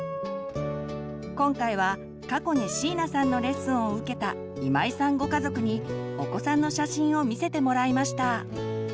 今回は過去に椎名さんのレッスンを受けた今井さんご家族にお子さんの写真を見せてもらいました。